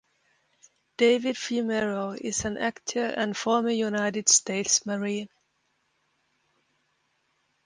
David Fumero is an actor and former United States Marine.